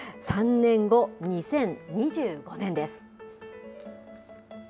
３年後、２０２５年です。